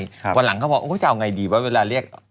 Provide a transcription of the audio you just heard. วันหลังเขาบอกจะเอาไงดีวะเวลาเรียก